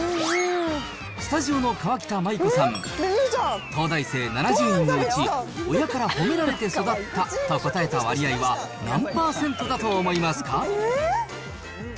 スタジオの河北麻友子さん、東大生７０人のうち、親から褒められて育ったと答えた割合は、何％だと思いますか？